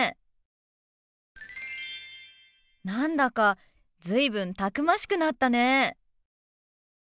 何だか随分たくましくなったね。